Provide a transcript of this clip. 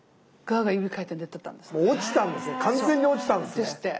ですって。